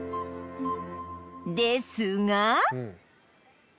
ですが